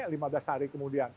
lima belas hari kemudian